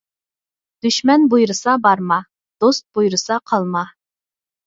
دۈشمەن بۇيرۇسا بارما، دوست بۇيرۇسا قالما.